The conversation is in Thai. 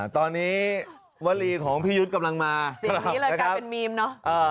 ตอนนี้วลีของพี่ยุทธ์กำลังมาสิ่งนี้เลยกลายเป็นมีมเนอะ